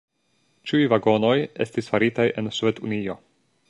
Ĉiuj vagonoj estis faritaj en Sovetunio.